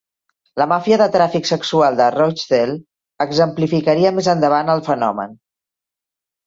La màfia de tràfic sexual de Rochdale exemplificaria més endavant el fenomen.